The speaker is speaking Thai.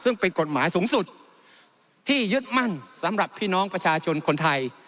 ซึ่งเป็นกฎหมายสูงสุดที่ยึดมั่นสำหรับพี่น้องประชาชนคนไทย